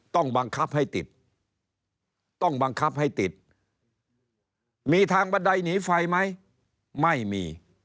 ต้องบังคับให้ติดต้องบังคับให้ติดมีทางบันไดหนีไฟไหมไม่มี